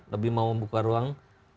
lebih mau membuka ruang